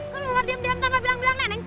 keluar diam diam tanpa bilang bilang neneng